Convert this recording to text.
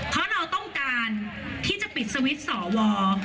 เพราะเราต้องการที่จะปิดสวิตช์สอวอ